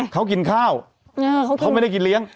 เขากินข้าวเขาไม่ได้กินเลี้ยง